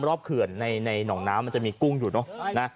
รอบเขื่อนในนองน้ำมันจะมีกุ้งอยู่นะ